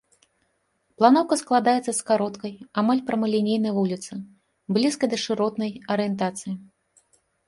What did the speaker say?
Планоўка складаецца з кароткай, амаль прамалінейнай вуліцы, блізкай да шыротнай арыентацыі.